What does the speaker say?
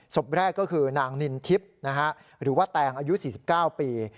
ศพแรกก็คือนางนินทิพย์หรือว่าแตงอายุ๔๙ปี